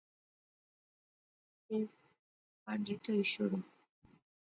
پہانڈے تہوئی شوڑو